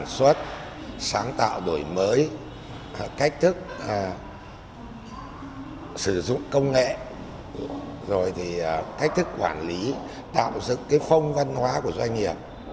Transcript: sử dụng công nghệ rồi thì thách thức quản lý tạo dựng cái phong văn hóa của doanh nghiệp